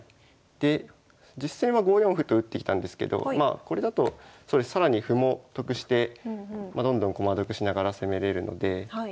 で実戦は５四歩と打ってきたんですけどこれだと更に歩も得してどんどん駒得しながら攻めれるので。